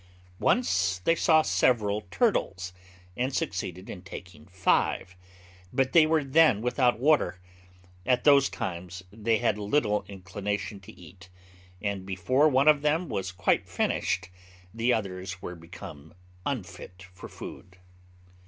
Once they saw several turtles, and succeeded in taking five, but they were then without water: at those times they had little inclination to eat, and before one of them was quite finished the others were become unfit for food.